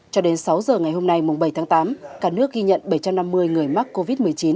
cho đến sáu giờ ngày hôm nay bảy tháng tám cả nước ghi nhận bảy trăm năm mươi người mắc covid một mươi chín